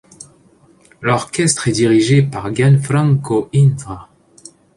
L'orchestre est dirigé par Gianfranco Intra.